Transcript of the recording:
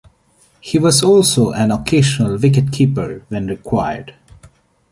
He was also an occasional wicketkeeper when required.